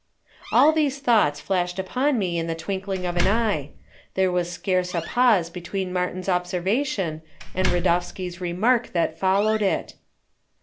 All these thoughts flashed upon me in the twinkling of an eye. There was scarce a pause between Martin's observation and Radowski's remark that followed it.